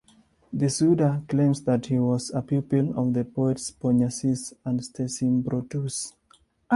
The Suda claims that he was a pupil of the poets Panyassis and Stesimbrotus.